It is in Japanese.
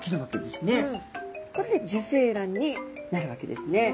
これで受精卵になるわけですね。